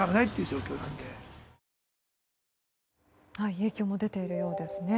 影響も出ているようですね。